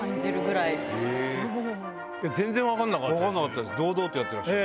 全然分かんなかった。